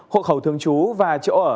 hộ khẩu thường trú và chỗ ở